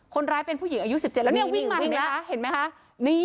คนร้ายเป็นผู้หญิงอายุ๑๗แล้วเนี่ยวิ่งมาเห็นไหมคะเห็นไหมคะ